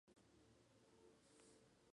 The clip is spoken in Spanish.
El escudo fue añadido posteriormente.